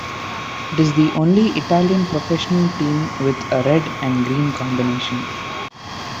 It is the only Italian professional team with a red and green combination.